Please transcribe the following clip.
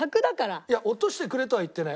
いや「落としてくれ」とは言ってない。